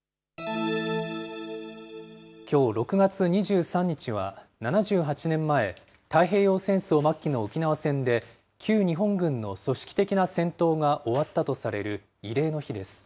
きょう６月２３日は、７８年前、太平洋戦争末期の沖縄戦で、旧日本軍の組織的な戦闘が終わったとされる慰霊の日です。